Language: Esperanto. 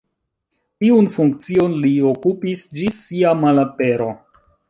Tiun funkcion li okupis ĝis sia malapero.